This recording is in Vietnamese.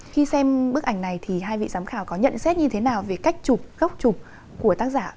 khi xem bức ảnh này thì hai vị giám khảo có nhận xét như thế nào về cách chụp góc chụp của tác giả ạ